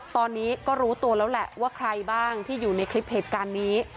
ตอนนี้ก็รู้ตัวแล้วแหละว่าใครบ้างที่อยู่ในคลิปเหตุการณ์นี้